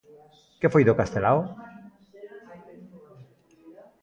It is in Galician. Que foi do Castelao?